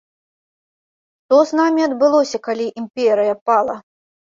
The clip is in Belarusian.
Што з намі адбылося, калі імперыя пала?